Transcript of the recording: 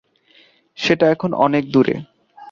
সেটা এখন অনেক দূরে।